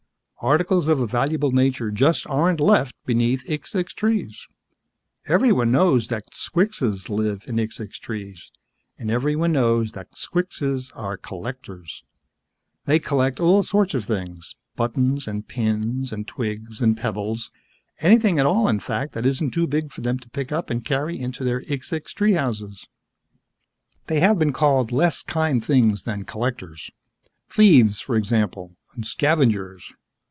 Articles of a valuable nature just aren't left beneath xixxix trees. Everybody knows that squixes live in xixxix trees and everybody knows that squixes are collectors. They collect all sorts of things, buttons and pins and twigs and pebbles anything at all, in fact, that isn't too big for them to pick up and carry into their xixxix tree houses. They have been called less kind things than collectors. Thieves, for example, and scavengers.